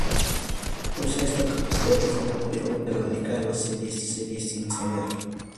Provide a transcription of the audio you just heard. Usa esta capacidad de forma periódica a lo largo de la serie sin saberlo.